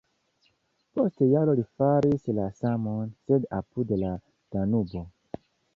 Post jaroj li faris la samon, sed apud la Danubo.